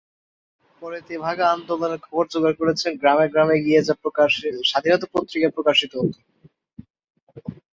পরে তেভাগা আন্দোলনের খবর জোগাড় করেছেন গ্রামে গ্রামে গিয়ে যা "স্বাধীনতা" পত্রিকায় প্রকাশিত হত।